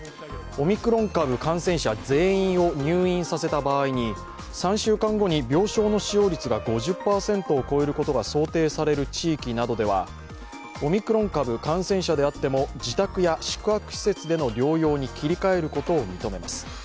オミクロン株感染者全員を入院させた場合に３週間後に病床の使用率が５０％を超えることが想定される地域などではオミクロン株感染者であっても自宅や宿泊施設での療養に切り替えることを認めます。